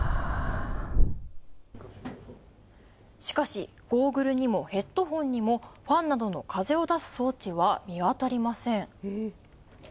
しかしゴーグルにもヘッドフォンにもファンなどの風を出す装置は見当たりません。